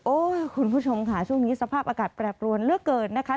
คุณผู้ชมค่ะช่วงนี้สภาพอากาศแปรปรวนเหลือเกินนะคะ